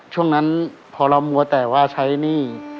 ช่วงนั้นพอเรามัวแต่ว่าใช้หนี้